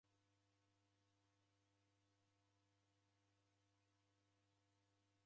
Ukamwangaa uja mwana